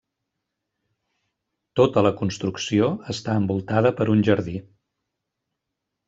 Tota la construcció està envoltada per un jardí.